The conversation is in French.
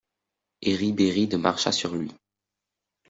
Et Ribéride marcha sur lui.